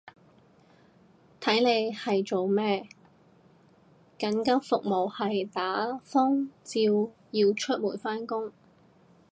睇你係做咩，緊急服務係打風照要出門返工